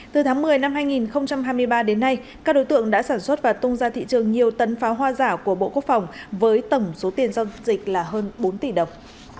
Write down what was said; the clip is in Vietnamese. từ tháng một mươi năm hai nghìn hai mươi ba đến nay các đối tượng đã sản xuất và tung ra thị trường nhiều tấn pháo hoa giả của bộ quốc phòng với tổng số tiền giao dịch là hơn bốn tỷ đồng